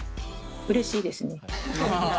うれしいですね。